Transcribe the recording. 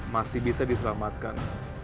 masih bisa diselamatkan